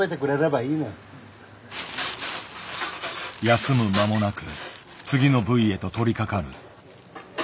休む間もなく次の部位へと取りかかる。